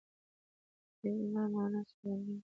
کلیمه مانا څرګندوي.